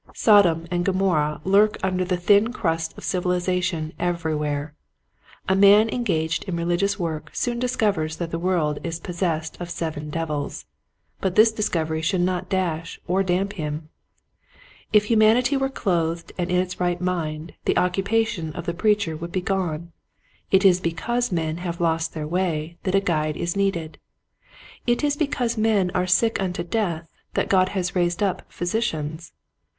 Sodom and Gomorrah lurk under the thin crust of civilization every where. A man engaged in religious work soon discovers that the world is possessed of seven devils. But this discovery should not dash or damp him. If humanity wbre clothed and in its right mind the occupa tion of the preacher would be gone. It is because men have lost their way that a guide is needed. It is because men are sick unto death that God has raised up physicians.